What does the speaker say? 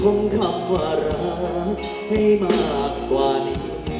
คำว่ารักให้มากกว่านี้